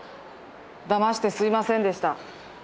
だましてすみませんでした。